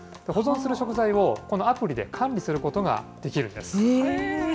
保存する食材をこのアプリで管理することができるんです。